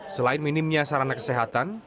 selain minimnya sarana kesehatan